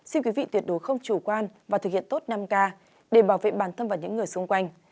xin quý vị tuyệt đối không chủ quan và thực hiện tốt năm k để bảo vệ bản thân và những người xung quanh